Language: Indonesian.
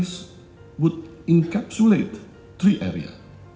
perbedaan akan menggabungkan tiga area